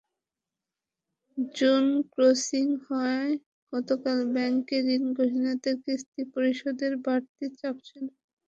June closing হওয়ায় গতকাল ব্যাংকে ঋণগ্রহীতাদের কিস্তি পরিশোধের বাড়তি চাপ ছিল।